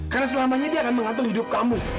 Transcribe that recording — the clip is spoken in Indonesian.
karena selamanya dia akan mengatur hidup kamu